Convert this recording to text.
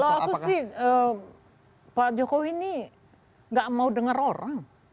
kalau aku sih pak jokowi ini gak mau dengar orang